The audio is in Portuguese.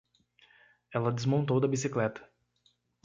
Ela desmontou da bicicleta.